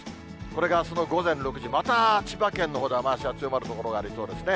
これがあすの午前６時、また千葉県のほうで雨足が強まる所がありそうですね。